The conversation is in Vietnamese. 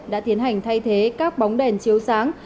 đã tiến hành thay thế các bóng đèn chiếu sáng